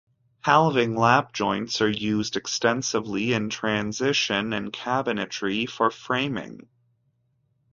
Halving lap joints are used extensively in transition and cabinetry for framing.